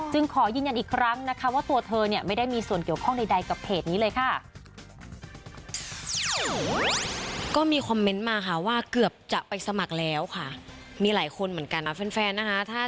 ขอยืนยันอีกครั้งนะคะว่าตัวเธอเนี่ยไม่ได้มีส่วนเกี่ยวข้องใดกับเพจนี้เลยค่ะ